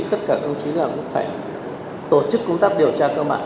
tất cả công chí là có thể tổ chức công tác điều tra cơ mạng